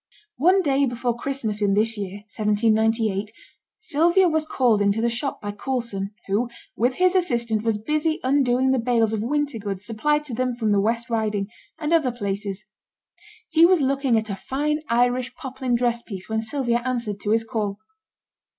One day before Christmas in this year, 1798, Sylvia was called into the shop by Coulson, who, with his assistant, was busy undoing the bales of winter goods supplied to them from the West Riding, and other places. He was looking at a fine Irish poplin dress piece when Sylvia answered to his call.